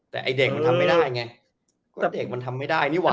แต่ไอ้เด็กมันทำไม่ได้ไงก็เด็กมันทำไม่ได้นี่ห่